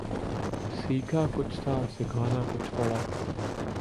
سیکھا کچھ تھا سکھانا کچھ پڑا